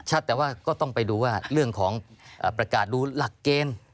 แต่ว่าก็ต้องไปดูว่าเรื่องของประกาศดูหลักเกณฑ์